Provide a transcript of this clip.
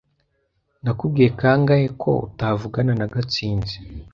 Nakubwiye kangahe ko utavugana na Gatsinzi?